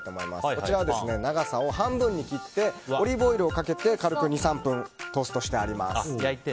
こちらは長さを半分に切ってオリーブオイルをかけて軽く２３分トーストしてあります。